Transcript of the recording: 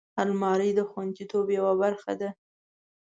الماري د خوندیتوب یوه برخه ده